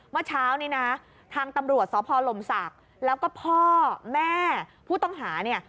เมื่อเช้านี้นะทางตำรวจสพลมศักดิ์แล้วก็พ่อแม่ผู้ต้องหาเนี่ย